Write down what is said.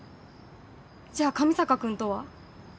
じゃあ上坂君とは？